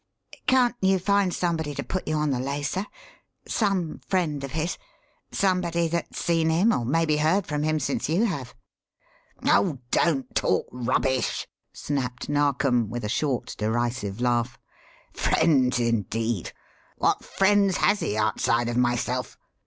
"Can't you find somebody to put you on the lay, sir? some friend of his somebody that's seen him, or maybe heard from him since you have?" "Oh, don't talk rubbish!" snapped Narkom, with a short, derisive laugh. "Friends, indeed! What friends has he outside of myself?